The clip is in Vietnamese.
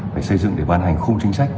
phải xây dựng để ban hành không chính sách